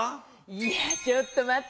いやちょっとまってよ。